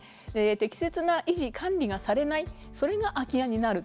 適切な維持管理がされないそれが空き家になる。